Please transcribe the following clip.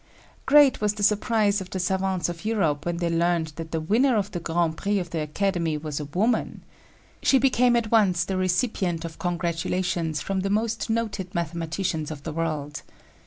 Great was the surprise of the savants of Europe when they learned that the winner of the grand prix of the Academy was a woman. She became at once the recipient of congratulations from the most noted mathematicians of the world.